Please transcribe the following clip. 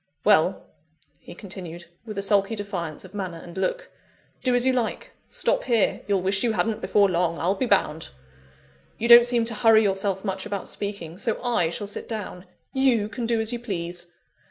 "Well," he continued, with a sulky defiance of manner and look, "do as you like; stop here you'll wish you hadn't before long, I'll be bound! You don't seem to hurry yourself much about speaking, so I shall sit down. You can do as you please.